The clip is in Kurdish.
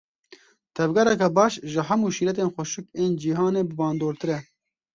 Tevgereke baş ji hemû şîretên xweşik ên cîhanê bibandortir e.